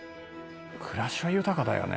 「暮らしは豊かだよね」